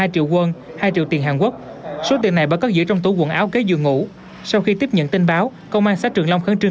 hai triệu tiền hàn quốc số tiền này bởi cất giữ trong tủ quần áo kế giường ngủ sau khi tiếp nhận tin báo công an xã trường long khẳng trưng